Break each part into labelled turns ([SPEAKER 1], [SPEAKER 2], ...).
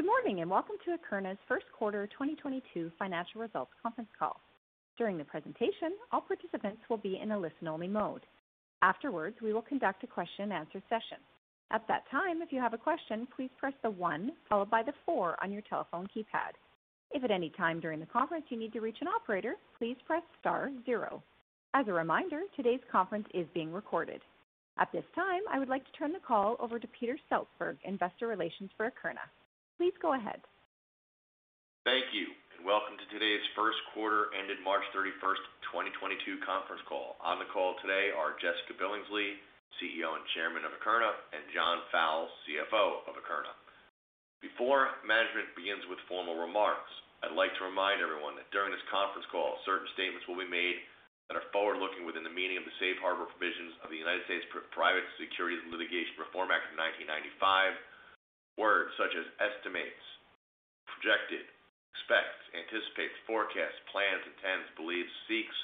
[SPEAKER 1] Good morning, and welcome to Akerna's first quarter 2022 financial results conference call. During the presentation, all participants will be in a listen-only mode. Afterwards, we will conduct a question and answer session. At that time, if you have a question, please press the one followed by the four on your telephone keypad. If at any time during the conference you need to reach an operator, please press star zero. As a reminder, today's conference is being recorded. At this time, I would like to turn the call over to Peter Seltzberg, Investor Relations for Akerna. Please go ahead.
[SPEAKER 2] Thank you, and welcome to today's first quarter ended March 31st, 2022 conference call. On the call today are Jessica Billingsley, CEO and Chairman of Akerna, and John Fowle, CFO of Akerna. Before management begins with formal remarks, I'd like to remind everyone that during this conference call, certain statements will be made that are forward-looking within the meaning of the safe harbor provisions of the United States Private Securities Litigation Reform Act of 1995. Words such as estimates, projected, expects, anticipates, forecasts, plans, intends, believes, seeks,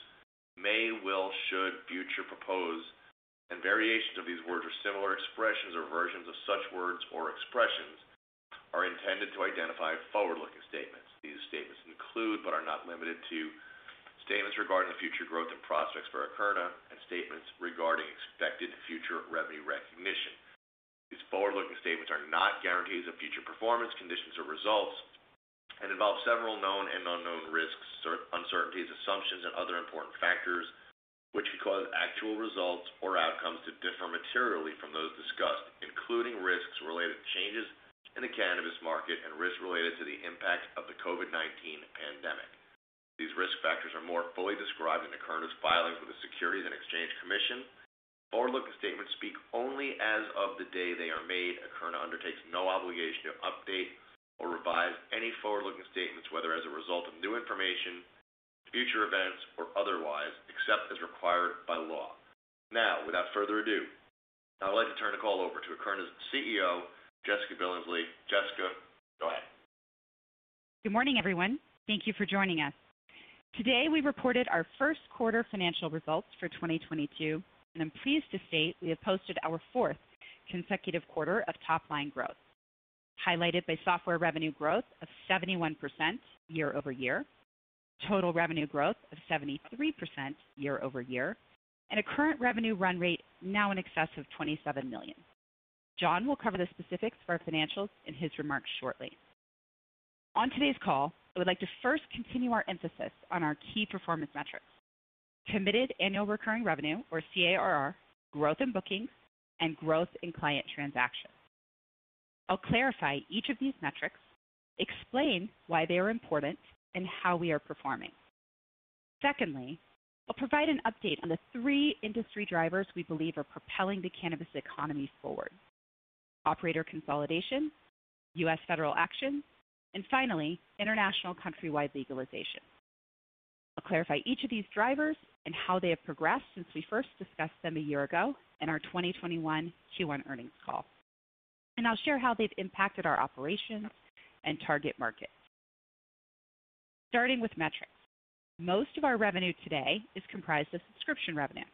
[SPEAKER 2] may, will, should, future, propose, and variations of these words or similar expressions or versions of such words or expressions are intended to identify forward-looking statements. These statements include, but are not limited to, statements regarding the future growth and prospects for Akerna and statements regarding expected future revenue recognition. These forward-looking statements are not guarantees of future performance, conditions or results and involve several known and unknown risks, uncertainties, assumptions, and other important factors which could cause actual results or outcomes to differ materially from those discussed, including risks related to changes in the cannabis market and risks related to the impact of the COVID-19 pandemic. These risk factors are more fully described in Akerna's filings with the Securities and Exchange Commission. Forward-looking statements speak only as of the day they are made. Akerna undertakes no obligation to update or revise any forward-looking statements, whether as a result of new information, future events, or otherwise, except as required by law. Now, without further ado, I'd like to turn the call over to Akerna's CEO, Jessica Billingsley. Jessica, go ahead.
[SPEAKER 3] Good morning, everyone. Thank you for joining us. Today, we reported our first quarter financial results for 2022, and I'm pleased to state we have posted our fourth consecutive quarter of top-line growth, highlighted by software revenue growth of 71% year-over-year, total revenue growth of 73% year-over-year, and a current revenue run rate now in excess of $27 million. John will cover the specifics for our financials in his remarks shortly. On today's call, I would like to first continue our emphasis on our key performance metrics. Committed annual recurring revenue, or CARR, growth in bookings, and growth in client transactions. I'll clarify each of these metrics, explain why they are important, and how we are performing. Secondly, I'll provide an update on the three industry drivers we believe are propelling the cannabis economy forward. Operator consolidation, U.S. federal action, and finally, international country-wide legalization. I'll clarify each of these drivers and how they have progressed since we first discussed them a year ago in our 2021 Q1 earning call, and I'll share how they've impacted our operations and target market. Starting with metrics. Most of our revenue today is comprised of subscription revenue.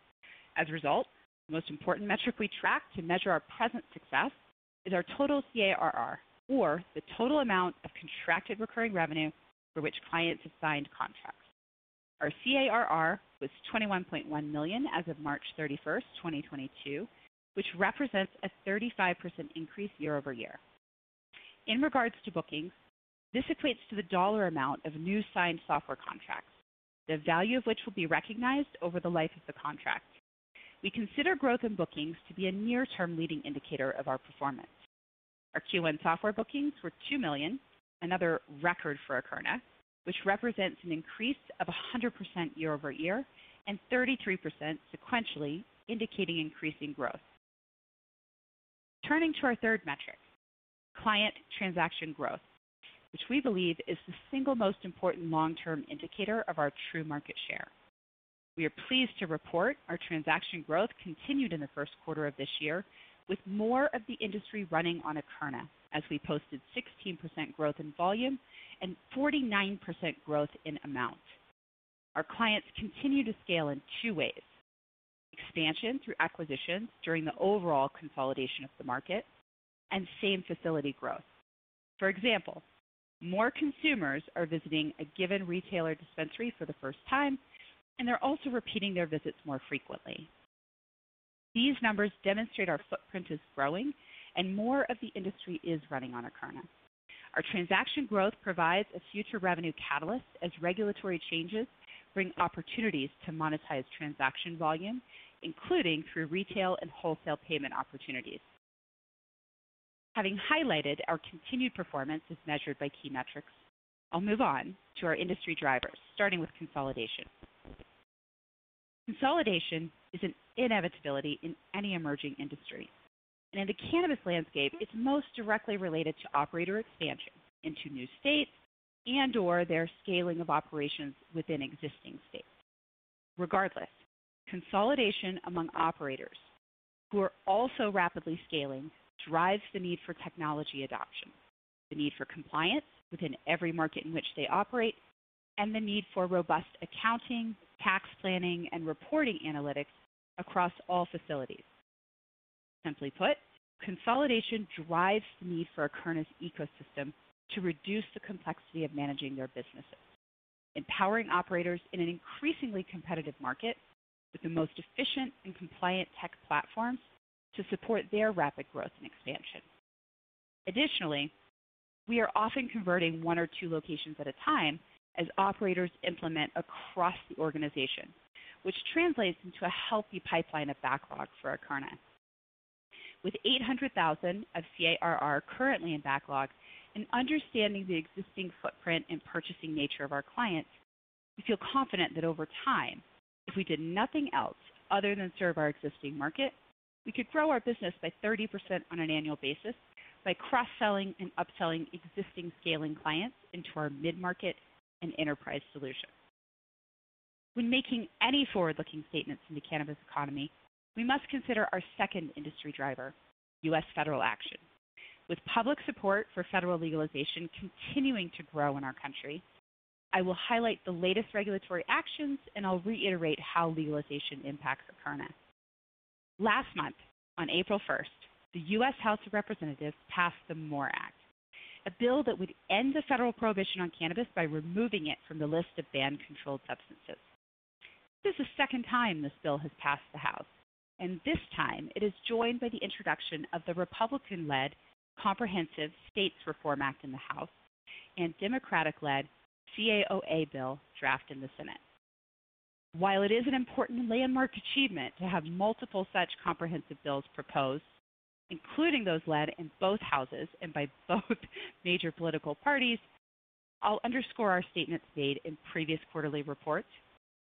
[SPEAKER 3] As a result, the most important metric we track to measure our present success is our total CARR, or the total amount of contracted recurring revenue for which clients have signed contracts. Our CARR was $21.1 million as of March 31st, 2022, which represents a 35% increase year-over-year. In regards to bookings, this equates to the dollar amount of new signed software contracts, the value of which will be recognized over the life of the contract. We consider growth in bookings to be a near-term leading indicator of our performance. Our Q1 software bookings were $2 million, another record for Akerna, which represents an increase of 100% year-over-year and 33% sequentially, indicating increasing growth. Turning to our third metric, client transaction growth, which we believe is the single most important long-term indicator of our true market share. We are pleased to report our transaction growth continued in the first quarter of this year with more of the industry running on Akerna as we posted 16% growth in volume and 49% growth in amount. Our clients continue to scale in two ways, expansion through acquisitions during the overall consolidation of the market and same-facility growth. For example, more consumers are visiting a given retail dispensary for the first time, and they're also repeating their visits more frequently. These numbers demonstrate our footprint is growing and more of the industry is running on Akerna. Our transaction growth provides a future revenue catalyst as regulatory changes bring opportunities to monetize transaction volume, including through retail and wholesale payment opportunities. Having highlighted our continued performance as measured by key metrics, I'll move on to our industry drivers, starting with consolidation. Consolidation is an inevitability in any emerging industry, and in the cannabis landscape, it's most directly related to operator expansion into new states and/or their scaling of operations within existing states. Regardless, consolidation among operators who are also rapidly scaling drives the need for technology adoption, the need for compliance within every market in which they operate, and the need for robust accounting, tax planning, and reporting analytics across all facilities. Simply put, consolidation drives the need for Akerna's ecosystem to reduce the complexity of managing their businesses, empowering operators in an increasingly competitive market with the most efficient and compliant tech platforms to support their rapid growth and expansion. Additionally, we are often converting one or two locations at a time as operators implement across the organization, which translates into a healthy pipeline of backlogs for Akerna. With 800,000 of CARR currently in backlog, and understanding the existing footprint and purchasing nature of our clients, we feel confident that over time, if we did nothing else other than serve our existing market, we could grow our business by 30% on an annual basis by cross-selling and upselling existing scaling clients into our mid-market and enterprise solutions. When making any forward-looking statements in the cannabis economy, we must consider our second industry driver, U.S. federal action. With public support for federal legalization continuing to grow in our country, I will highlight the latest regulatory actions, and I'll reiterate how legalization impact Akerna. Last month, on April 1st, the U.S. House of Representatives passed the MORE Act, a bill that would end the federal prohibition on cannabis by removing it from the list of banned controlled substances. This is the second time this bill has passed the House, and this time it is joined by the introduction of the Republican-led States Reform Act in the House, and Democratic-led CAOA bill draft in the Senate. While it is an important landmark achievement to have multiple such comprehensive bills proposed, including those led in both Houses and by both major political parties, I'll underscore our statements made in previous quarterly reports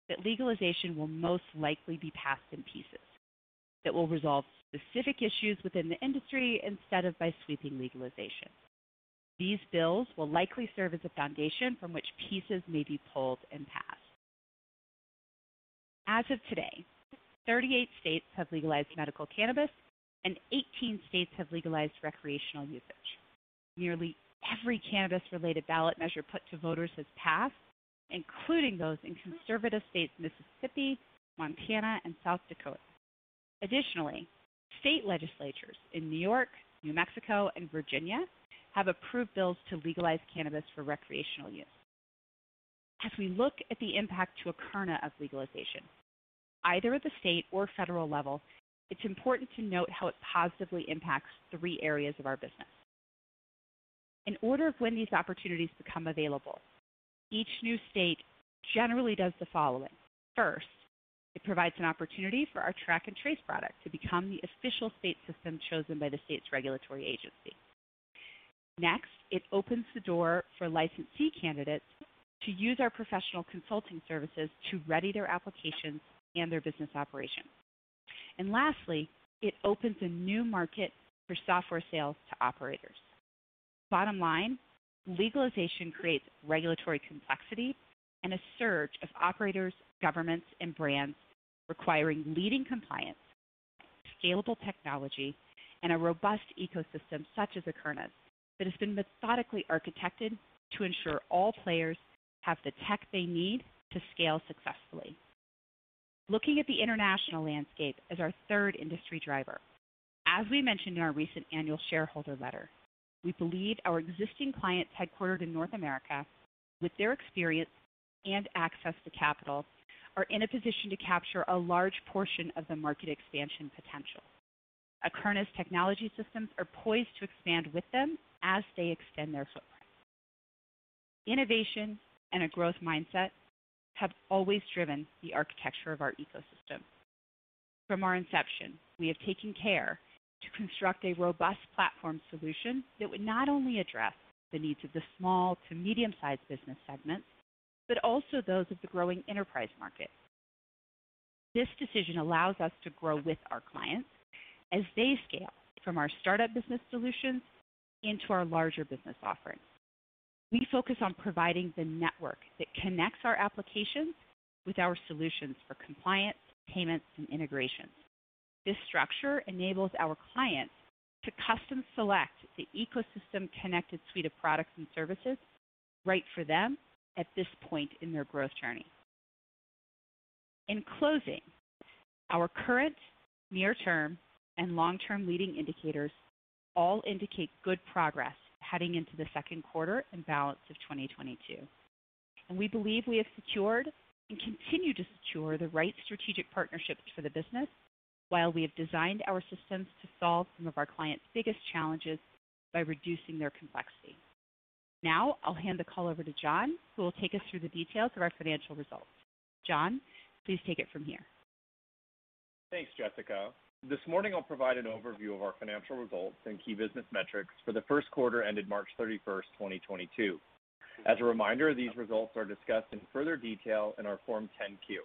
[SPEAKER 3] that legalization will most likely be passed in pieces that will resolve specific issues within the industry instead of by sweeping legalization. These bills will likely serve as a foundation from which pieces may be pulled and passed. As of today, 38 states have legalized medical cannabis, and 18 states have legalized recreational usage. Nearly every cannabis-related ballot measure put to voters has passed, including those in conservative states Mississippi, Montana, and South Dakota. Additionally, state legislatures in New York, New Mexico, and Virginia have approved bills to legalize cannabis for recreational use. As we look at the impact to Akerna of legalization, either at the state or federal level, it's important to note how it positively impacts three areas of our business. In order of when these opportunities become available, each new state generally does the following. First, it provides an opportunity for our track-and-trace product to become the official state system chosen by the state's regulatory agency. Next, it opens the door for licensee candidates to use our professional consulting services to ready their applications and their business operations. Lastly, it opens a new market for software sales to operators. Bottom line, legalization creates regulatory complexity and a surge of operators, governments, and brands requiring leading compliance, scalable technology, and a robust ecosystem such as Akerna's that has been methodically architected to ensure all players have the tech they need to scale successfully. Looking at the international landscape as our third industry driver, as we mentioned in our recent annual shareholder letter, we believe our existing clients headquartered in North America, with their experience and access to capital, are in a position to capture a large portion of the market expansion potential. Akerna's technology systems are poised to expand with them as they extend their footprint. Innovation and a growth mindset have always driven the architecture of our ecosystem. From our inception, we have taken care to construct a robust platform solution that would not only address the needs of the small to medium-sized business segments, but also those of the growing enterprise market. This decision allows us to grow with our clients as they scale from our startup business solutions into our larger business offerings. We focus on providing the network that connects our applications with our solutions for compliance, payments, and integrations. This structure enables our clients to custom select the ecosystem-connected suite of products and services right for them at this point in their growth journey. In closing, our current near-term and long-term leading indicators all indicate good progress heading into the second quarter and balance of 2022, and we believe we have secured and continue to secure the right strategic partnerships for the business while we have designed our systems to solve some of our clients' biggest challenges by reducing their complexity. Now I'll hand the call over to John, who will take us through the details of our financial results. John, please take it from here.
[SPEAKER 4] Thanks, Jessica. This morning I'll provide an overview of our financial results and key business metrics for the first quarter ended March 31st, 2022. As a reminder, these results are discussed in further detail in our Form 10-Q.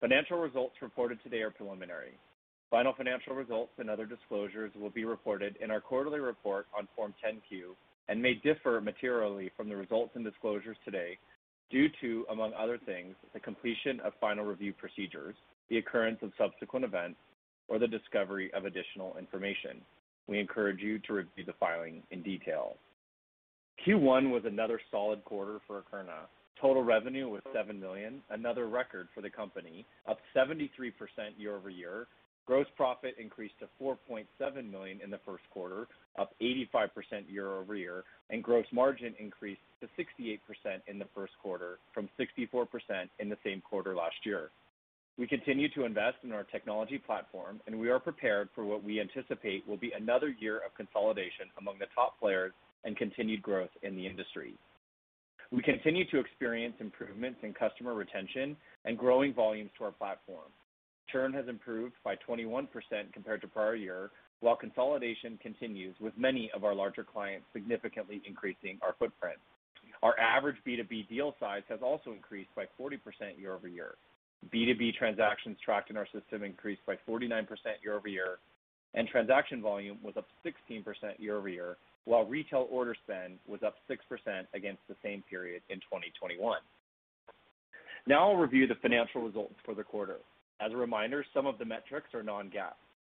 [SPEAKER 4] Financial results reported today are preliminary. Final financial results and other disclosures will be reported in our quarterly report on Form 10-Q and may differ materially from the results and disclosures today due to, among other things, the completion of final review procedures, the occurrence of subsequent events, or the discovery of additional information. We encourage you to review the filing in detail. Q1 was another solid quarter for Akerna. Total revenue was $7 million, another record for the company, up 73% year-over-year. Gross profit increased to $4.7 million in the first quarter, up 85% year-over-year, and gross margin increased to 68% in the first quarter from 64% in the same quarter last year. We continue to invest in our technology platform, and we are prepared for what we anticipate will be another year of consolidation among the top players and continued growth in the industry. We continue to experience improvements in customer retention and growing volumes to our platform. Churn has improved by 21% compared to prior year, while consolidation continues with many of our larger clients significantly increasing our footprint. Our average B2B deal size has also increased by 40% year-over-year. B2B transactions tracked in our system increased by 49% year-over-year, and transaction volume was up 16% year-over-year, while retail order spend was up 6% against the same period in 2021. Now I'll review the financial results for the quarter. As a reminder, some of the metrics are non-GAAP.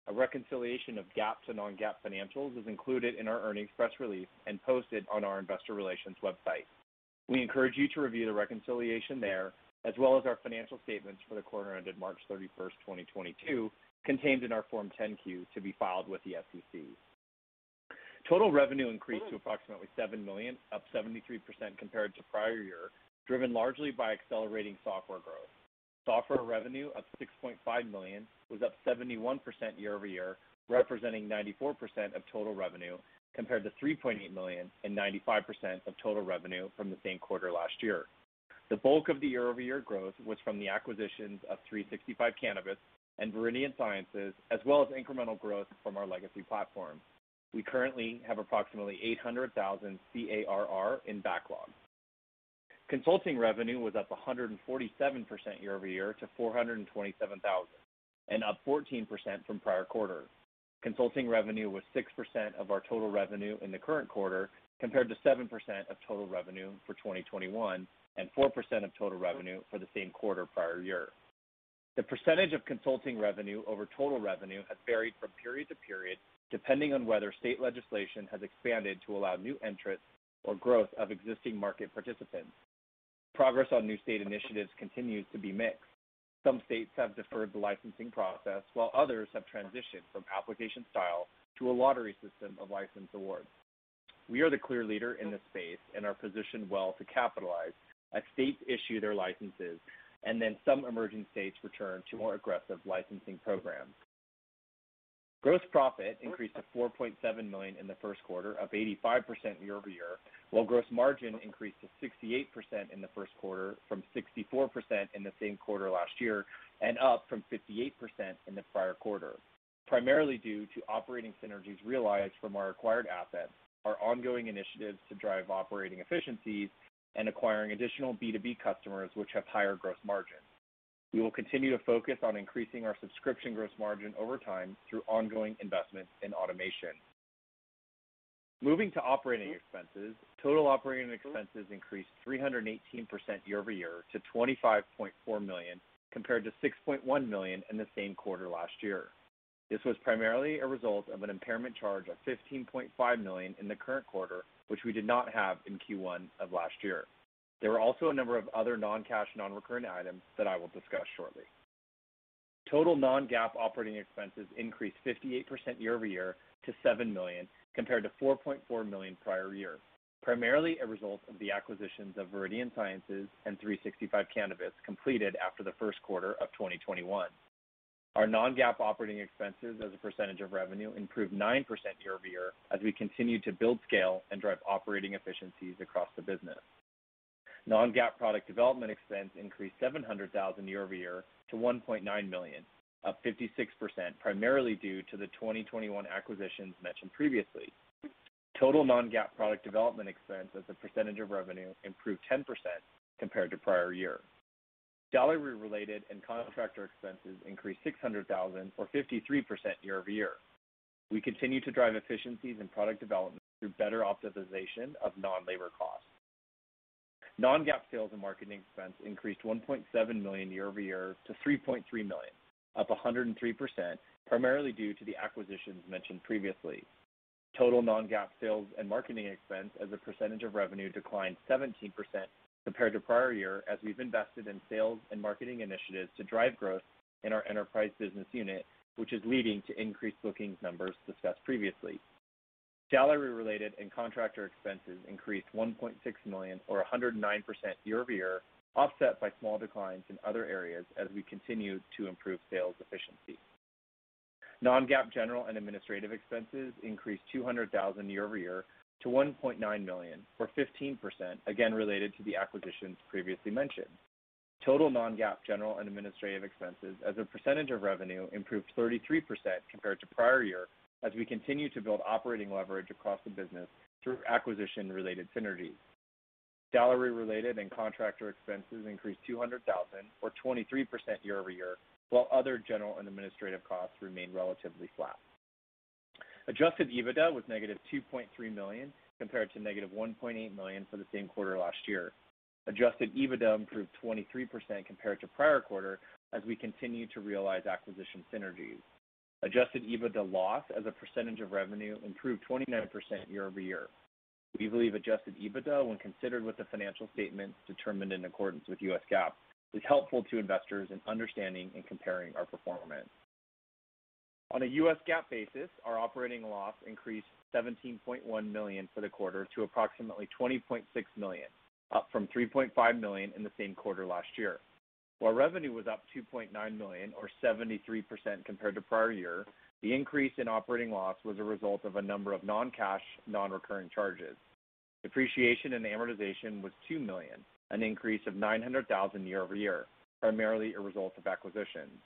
[SPEAKER 4] A reconciliation of GAAP to non-GAAP financials is included in our earnings press release and posted on our investor relations website. We encourage you to review the reconciliation there, as well as our financial statements for the quarter ended March 31st, 2022, contained in our Form 10-Q to be filed with the SEC. Total revenue increased to approximately $7 million, up 73% compared to prior year, driven largely by accelerating software growth. Software revenue of $6.5 million was up 71% year-over-year, representing 94% of total revenue, compared to $3.8 million and 95% of total revenue from the same quarter last year. The bulk of the year-over-year growth was from the acquisitions of 365 Cannabis and Viridian Sciences, as well as incremental growth from our legacy platform. We currently have approximately 800,000 CARR in backlog. Consulting revenue was up 147% year-over-year to $427,000 and up 14% from prior quarter. Consulting revenue was 6% of our total revenue in the current quarter, compared to 7% of total revenue for 2021 and 4% of total revenue for the same quarter prior year. The percentage of consulting revenue over total revenue has varied from period to period, depending on whether state legislation has expanded to allow new entrants or growth of existing market participants. Progress on new state initiatives continues to be mixed. Some states have deferred the licensing process, while others have transitioned from application style to a lottery system of license awards. We are the clear leader in this space and are positioned well to capitalize as states issue their licenses and then some emerging states return to more aggressive licensing programs. Gross profit increased to $4.7 million in the first quarter, up 85% year-over-year, while gross margin increased to 68% in the first quarter from 64% in the same quarter last year and up from 58% in the prior quarter, primarily due to operating synergies realized from our acquired assets, our ongoing initiatives to drive operating efficiencies and acquiring additional B2B customers which have higher gross margin. We will continue to focus on increasing our subscription gross margin over time through ongoing investments in automation. Moving to operating expenses, total operating expenses increased 318% year-over-year to $25.4 million, compared to $6.1 million in the same quarter last year. This was primarily a result of an impairment charge of $15.5 million in the current quarter, which we did not have in Q1 of last year. There were also a number of other non-cash, non-recurring items that I will discuss shortly. Total non-GAAP operating expenses increased 58% year-over-year to $7 million, compared to $4.4 million prior year, primarily a result of the acquisitions of Viridian Sciences and 365 Cannabis completed after the first quarter of 2021. Our non-GAAP operating expenses as a percentage of revenue improved 9% year-over-year as we continue to build scale and drive operating efficiencies across the business. Non-GAAP product development expense increased $700,000 year-over-year to $1.9 million, up 56%, primarily due to the 2021 acquisitions mentioned previously. Total non-GAAP product development expense as a percentage of revenue improved 10% compared to prior year. Salary-related and contractor expenses increased $600,000 or 53% year-over-year. We continue to drive efficiencies in product development through better optimization of non-labor costs. Non-GAAP sales and marketing expense increased $1.7 million year-over-year to $3.3 million, up 103%, primarily due to the acquisitions mentioned previously. Total non-GAAP sales and marketing expense as a percentage of revenue declined 17% compared to prior year as we've invested in sales and marketing initiatives to drive growth in our enterprise business unit, which is leading to increased bookings numbers discussed previously. Salary-related and contractor expenses increased $1.6 million or 109% year-over-year, offset by small declines in other areas as we continue to improve sales efficiency. Non-GAAP general and administrative expenses increased $200,000 year-over-year to $1.9 million or 15%, again, related to the acquisitions previously mentioned. Total non-GAAP general and administrative expenses as a percentage of revenue improved 33% compared to prior year as we continue to build operating leverage across the business through acquisition-related synergies. Salary-related and contractor expenses increased $200,000 or 23% year-over-year, while other general and administrative costs remained relatively flat. Adjusted EBITDA was -$2.3 million, compared to -$1.8 million for the same quarter last year. Adjusted EBITDA improved 23% compared to prior quarter as we continue to realize acquisition synergies. Adjusted EBITDA loss as a percentage of revenue improved 29% year-over-year. We believe adjusted EBITDA, when considered with the financial statements determined in accordance with US GAAP, is helpful to investors in understanding and comparing our performance. On a US GAAP basis, our operating loss increased $17.1 million for the quarter to approximately $20.6 million, up from $3.5 million in the same quarter last year. While revenue was up $2.9 million or 73% compared to prior year, the increase in operating loss was a result of a number of non-cash, non-recurring charges. Depreciation and amortization was $2 million, an increase of $900,000 year-over-year, primarily a result of acquisitions.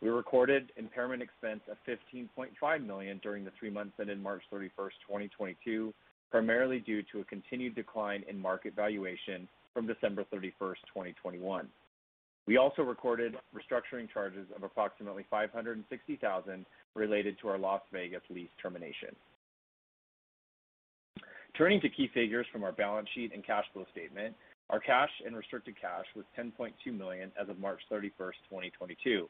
[SPEAKER 4] We recorded impairment expense of $15.5 million during the three months that ended March 31st, 2022, primarily due to a continued decline in market valuation from December 31st, 2021. We also recorded restructuring charges of approximately $560,000 related to our Las Vegas lease termination. Turning to key figures from our balance sheet and cash flow statement. Our cash and restricted cash was $10.2 million as of March 31st, 2022.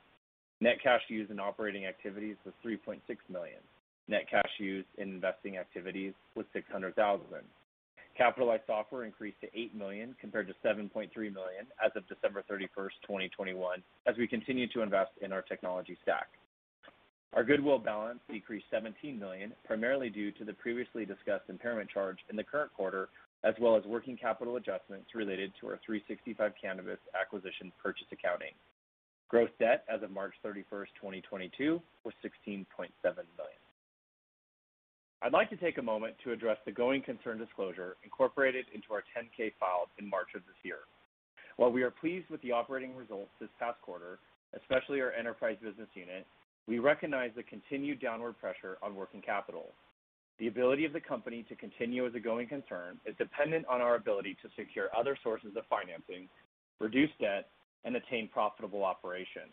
[SPEAKER 4] Net cash used in operating activities was $3.6 million. Net cash used in investing activities was $600,000. Capitalized software increased to $8 million compared to $7.3 million as of December 31st, 2021, as we continue to invest in our technology stack. Our goodwill balance decreased $17 million, primarily due to the previously discussed impairment charge in the current quarter, as well as working capital adjustments related to our 365 Cannabis acquisition purchase accounting. Gross debt as of March 31st, 2022 was $16.7 million. I'd like to take a moment to address the going concern disclosure incorporated into our 10-K filed in March of this year. While we are pleased with the operating results this past quarter, especially our enterprise business unit, we recognize the continued downward pressure on working capital. The ability of the company to continue as a going concern is dependent on our ability to secure other sources of financing, reduce debt, and attain profitable operation.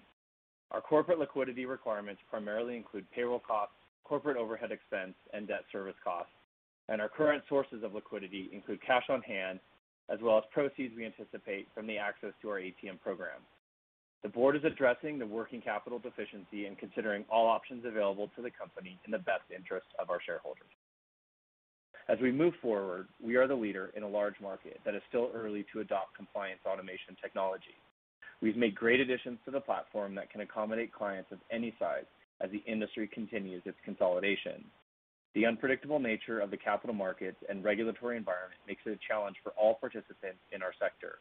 [SPEAKER 4] Our corporate liquidity requirements primarily include payroll costs, corporate overhead expense, and debt service costs. Our current sources of liquidity include cash on hand as well as proceeds we anticipate from the access to our ATM program. The board is addressing the working capital deficiency and considering all options available to the company in the best interest of our shareholders. As we move forward, we are the leader in a large market that is still early to adopt compliance automation technology. We've made great additions to the platform that can accommodate clients of any size as the industry continues its consolidation. The unpredictable nature of the capital markets and regulatory environment makes it a challenge for all participants in our sector.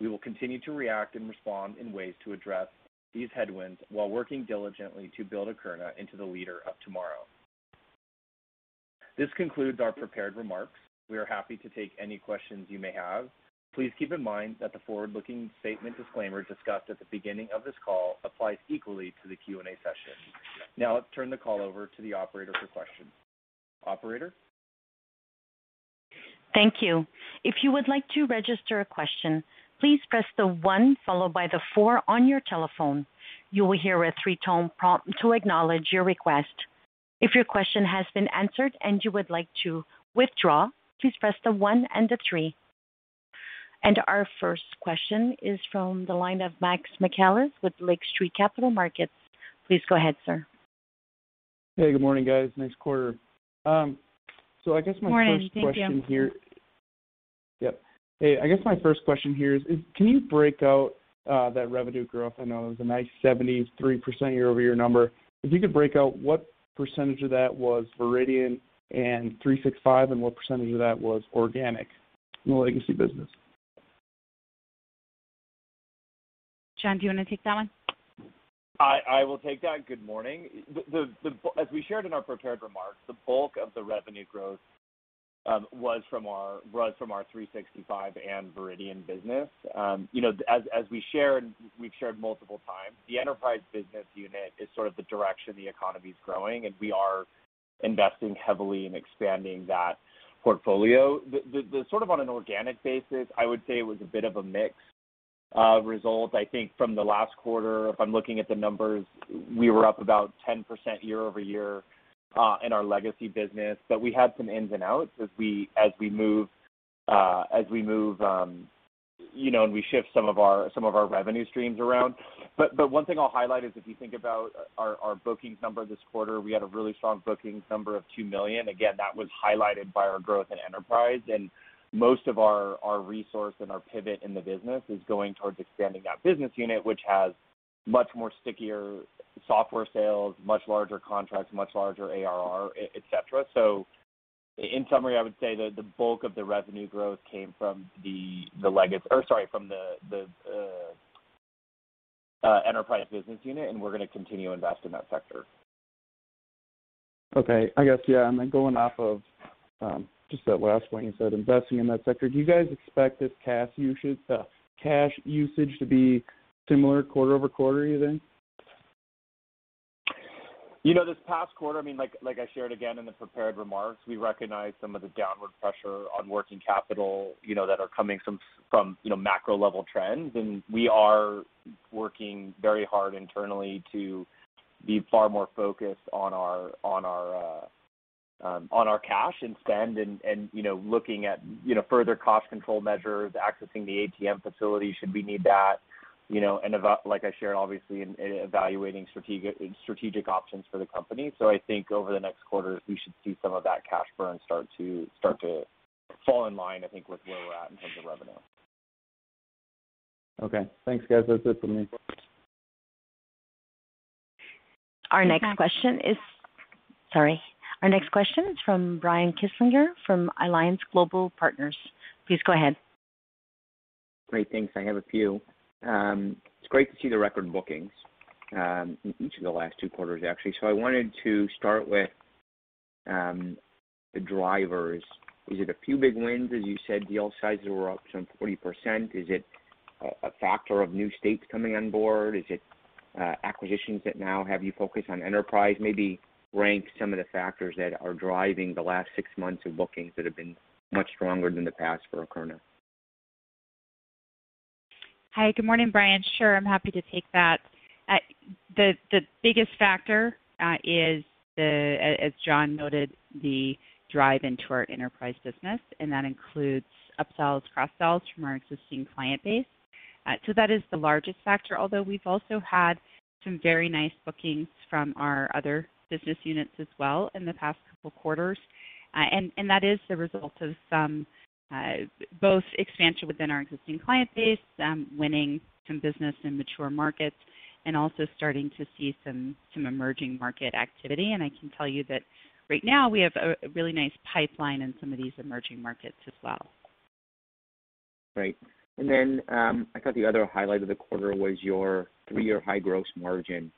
[SPEAKER 4] We will continue to react and respond in ways to address these headwinds while working diligently to build Akerna into the leader of tomorrow. This concludes our prepared remarks. We are happy to take any questions you may have. Please keep in mind that the forward-looking statement disclaimer discussed at the beginning of this call applies equally to the Q&A session. Now let's turn the call over to the operator for questions. Operator?
[SPEAKER 1] Thank you. If you would like to register a question, please press the one followed by the four on your telephone. You will hear a three-tone prompt to acknowledge your request. If your question has been answered and you would like to withdraw, please press the one and the three. Our first question is from the line of Matt McAllister with Lake Street Capital Markets. Please go ahead, sir.
[SPEAKER 5] Hey, good morning, guys. Nice quarter.
[SPEAKER 3] Good morning. Thank you.
[SPEAKER 5] Yeah. Hey, I guess my first question here is, can you break out that revenue growth? I know it was a nice 73% year-over-year number. If you could break out what percentage of that was Viridian and 365, and what percentage of that was organic in the legacy business?
[SPEAKER 3] John, do you want to take that one?
[SPEAKER 4] I will take that. Good morning. As we shared in our prepared remarks, the bulk of the revenue growth was from our 365 and Viridian Sciences business. You know, as we shared, we've shared multiple times, the enterprise business unit is sort of the direction the economy is growing, and we are investing heavily in expanding that portfolio. Then, sort of, on an organic basis, I would say it was a bit of a mix of results. I think from the last quarter, if I'm looking at the numbers, we were up about 10% year-over-year in our legacy business. We had some ins and outs as we move, you know, and we shift some of our revenue streams around. One thing I'll highlight is if you think about our bookings number this quarter, we had a really strong bookings number of $2 million. Again, that was highlighted by our growth in enterprise. Most of our resource and our pivot in the business is going towards expanding that business unit, which has much more stickier software sales, much larger contracts, much larger ARR, et cetera. In summary, I would say the bulk of the revenue growth came from the enterprise business unit, and we're going to continue to invest in that sector.
[SPEAKER 5] Okay. I guess, yeah, going off of just that last point you said, investing in that sector. Do you guys expect this cash usage to be similar quarter-over-quarter, you think?
[SPEAKER 4] You know, this past quarter, I mean, like I shared again in the prepared remarks, we recognize some of the downward pressure on working capital, you know, that are coming from you know, macro level trends. We are working very hard internally to be far more focused on our cash and spend and, you know, looking at, you know, further cost control measures, accessing the ATM facility should we need that, you know. Like I shared, obviously, in evaluating strategic options for the company. I think over the next quarter, we should see some of that cash burn start to fall in line, I think, with where we're at in terms of revenue.
[SPEAKER 5] Okay. Thanks, guys. That's it for me.
[SPEAKER 1] Our next question is from Brian Kinstlinger from Alliance Global Partners. Please go ahead.
[SPEAKER 6] Great. Thanks. I have a few. It's great to see the record bookings, each of the last two quarters, actually. I wanted to start with, the drivers. Is it a few big wins, as you said, deal sizes were up some 40%. Is it a factor of new states coming on board? Is it, acquisitions that now have you focused on enterprise? Maybe rank some of the factors that are driving the last six months of bookings that have been much stronger than the past for Akerna.
[SPEAKER 3] Hi. Good morning, Brian. Sure, I'm happy to take that. The biggest factor is as John noted, the drive into our enterprise business, and that includes upsells, cross-sells from our existing client base. So that is the largest factor, although we've also had some very nice bookings from our other business units as well in the past couple quarters. And that is the result of some both expansion within our existing client base, winning some business in mature markets, and also starting to see some emerging market activity. I can tell you that right now we have a really nice pipeline in some of these emerging markets as well.
[SPEAKER 6] Right. I thought the other highlight of the quarter was your three-year high gross margin.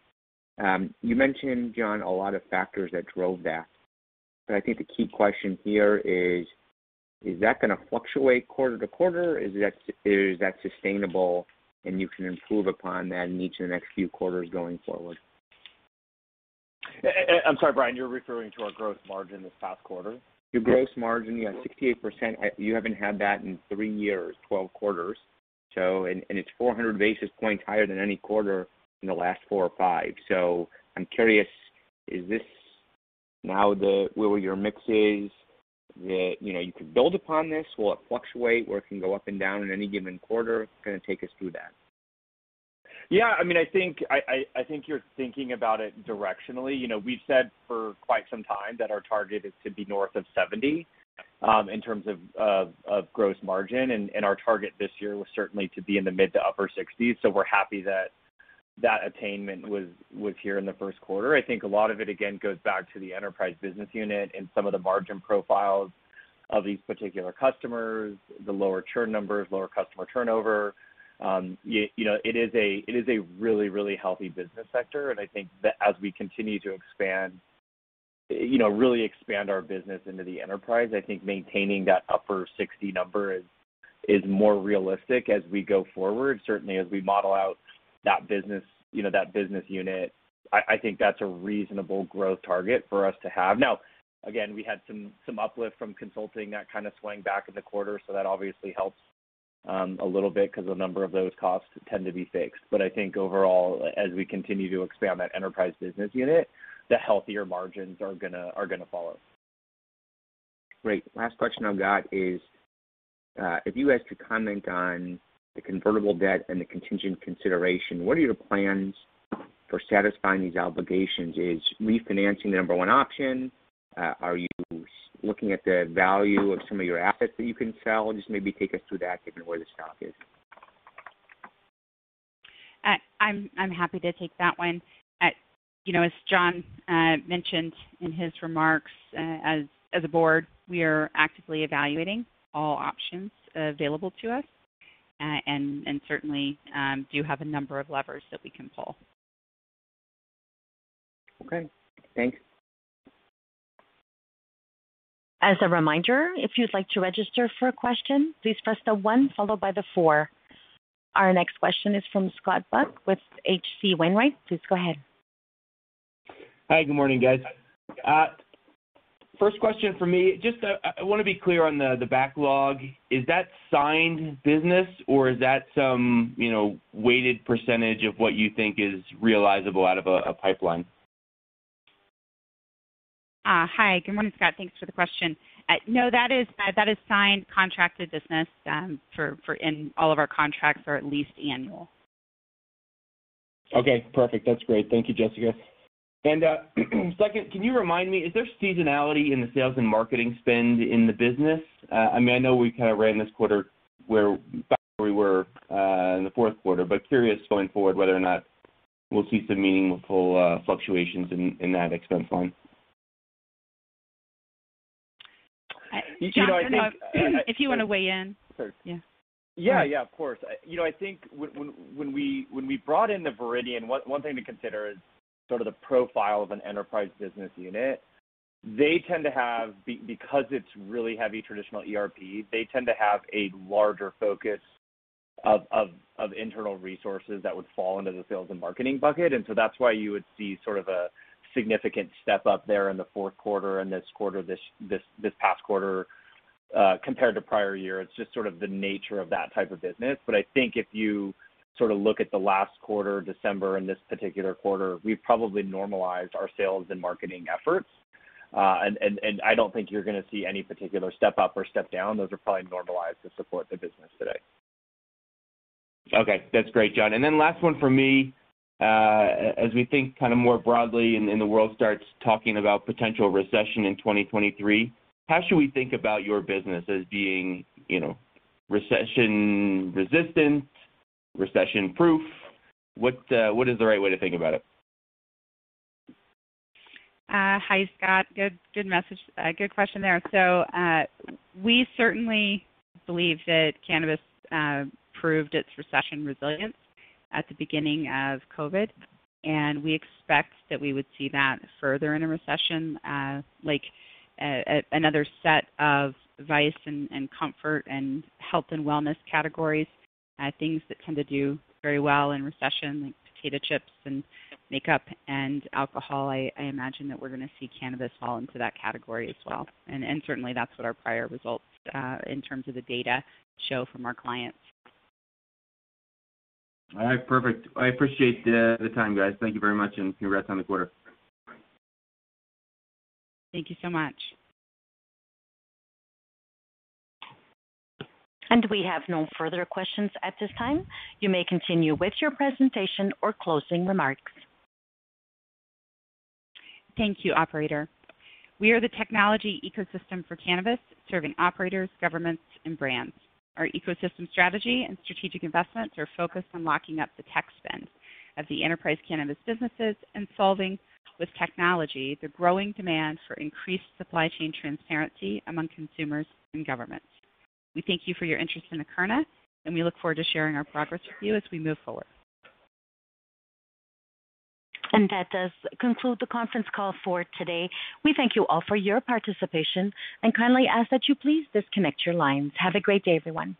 [SPEAKER 6] You mentioned, John, a lot of factors that drove that. I think the key question here is that gonna fluctuate quarter-to-quarter? Is that sustainable and you can improve upon that in each of the next few quarters going forward?
[SPEAKER 4] I'm sorry, Brian, you're referring to our gross margin this past quarter?
[SPEAKER 6] Your gross margin, yeah, 68%. You haven't had that in three years, 12 quarters. It's 400 basis points higher than any quarter in the last four or five. I'm curious, is this now the where your mix is that, you know, you could build upon this? Will it fluctuate where it can go up and down in any given quarter? Kinda take us through that.
[SPEAKER 4] Yeah, I mean, I think you're thinking about it directionally. You know, we've said for quite some time that our target is to be north of 70% in terms of gross margin. Our target this year was certainly to be in the mid- to upper 60s. We're happy that attainment was here in the first quarter. I think a lot of it, again, goes back to the enterprise business unit and some of the margin profiles of these particular customers, the lower churn numbers, lower customer turnover. You know, it is a really healthy business sector, and I think that as we continue to expand, you know, really expand our business into the enterprise, I think maintaining that upper 60 number is more realistic as we go forward. Certainly, as we model out that business, you know, that business unit, I think that's a reasonable growth target for us to have. Now, again, we had some uplift from consulting that kinda swung back in the quarter, so that obviously helps a little bit 'cause a number of those costs tend to be fixed. I think overall, as we continue to expand that enterprise business unit, the healthier margins are gonna follow.
[SPEAKER 6] Great. Last question I've got is, if you guys could comment on the convertible debt and the contingent consideration, what are your plans for satisfying these obligations? Is refinancing the number one option? Are you looking at the value of some of your assets that you can sell? Just maybe take us through that given where the stock is.
[SPEAKER 3] I'm happy to take that one. You know, as John mentioned in his remarks, as a board, we are actively evaluating all options available to us, and certainly do have a number of levers that we can pull.
[SPEAKER 6] Okay. Thanks.
[SPEAKER 1] As a reminder, if you'd like to register for a question, please press the one followed by the four. Our next question is from Scott Buck with H.C. Wainwright. Please go ahead.
[SPEAKER 7] Hi. Good morning, guys. First question from me, just, I wanna be clear on the backlog. Is that signed business or is that some, you know, weighted percentage of what you think is realizable out of a pipeline?
[SPEAKER 3] Hi. Good morning, Scott. Thanks for the question. No, that is signed contracted business. All of our contracts are at least annual.
[SPEAKER 7] Okay. Perfect. That's great. Thank you, Jessica. Second, can you remind me, is there seasonality in the sales and marketing spend in the business? I mean, I know we kind of ran this quarter back where we were in the fourth quarter, but curious going forward whether or not we'll see some meaningful fluctuations in that expense line.
[SPEAKER 3] Uh, John-
[SPEAKER 4] You know, I think.
[SPEAKER 3] Scott, if you wanna weigh in.
[SPEAKER 4] Sorry.
[SPEAKER 3] Yeah.
[SPEAKER 4] Yeah, yeah, of course. You know, I think when we brought in the Viridian, one thing to consider is sort of the profile of an enterprise business unit. They tend to have, because it's really heavy traditional ERP, a larger focus of internal resources that would fall into the sales and marketing bucket. That's why you would see sort of a significant step up there in the fourth quarter and this quarter, this past quarter. Compared to prior year, it's just sort of the nature of that type of business. I think if you sort of look at the last quarter, December, and this particular quarter, we've probably normalized our sales and marketing efforts. I don't think you're gonna see any particular step up or step down. Those are probably normalized to support the business today.
[SPEAKER 7] Okay. That's great, John. Then last one from me. As we think kind of more broadly and the world starts talking about potential recession in 2023, how should we think about your business as being, you know, recession-resistant, recession-proof? What is the right way to think about it?
[SPEAKER 3] Hi, Scott. Good question there. We certainly believe that cannabis proved its recession resilience at the beginning of COVID, and we expect that we would see that further in a recession. Like, another set of vices and comfort and health and wellness categories, things that tend to do very well in recession, like potato chips and makeup and alcohol. I imagine that we're gonna see cannabis fall into that category as well, and certainly that's what our prior results, in terms of the data, show from our clients.
[SPEAKER 7] All right. Perfect. I appreciate the time, guys. Thank you very much, and congrats on the quarter.
[SPEAKER 3] Thank you so much.
[SPEAKER 1] We have no further questions at this time. You may continue with your presentation or closing remarks.
[SPEAKER 3] Thank you, operator. We are the technology ecosystem for cannabis, serving operators, governments, and brands. Our ecosystem strategy and strategic investments are focused on locking up the tech spend of the enterprise cannabis businesses and solving with technology the growing demand for increased supply chain transparency among consumers and governments. We thank you for your interest in Akerna, and we look forward to sharing our progress with you as we move forward.
[SPEAKER 1] That does conclude the conference call for today. We thank you all for your participation and kindly ask that you please disconnect your lines. Have a great day, everyone.